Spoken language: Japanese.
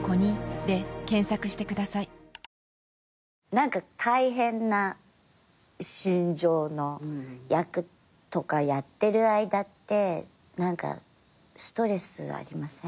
何か大変な心情の役とかやってる間って何かストレスありません？